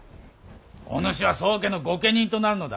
お主は宗家の御家人となるのだ。